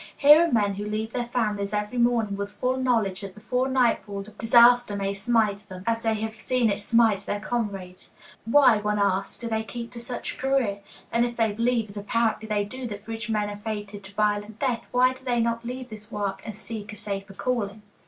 Here are men who leave their families every morning with full knowledge that before nightfall disaster may smite them, as they have seen it smite their comrades. Why, one asks, do they keep to such a career? And if they believe, as apparently they do, that bridge men are fated to violent death, why do they not leave this work and seek a safer calling?